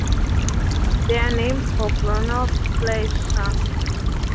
They are named for Bruno Fleischer.